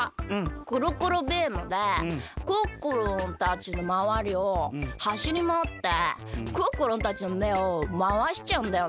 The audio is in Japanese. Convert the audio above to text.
くるくるビームでクックルンたちのまわりをはしりまわってクックルンたちのめをまわしちゃうんだよね。